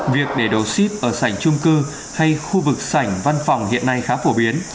việc để đồ ship ở sảnh chung cư hay khu vực sảnh văn phòng hiện nay khá phổ biến